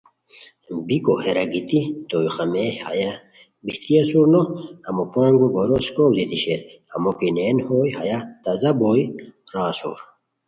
بیکو ہیرا گیتی تو یو خامئے ہیہ بہتی اسور نو ہمو پونگو گورو اسکوؤ دیتی شیر ہمو کی نین ہوئے ہیہ تازہ بوئے را اسور